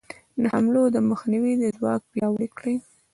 د حملو د مخنیوي ځواک پیاوړی کړي.